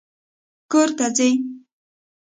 کور ته ځي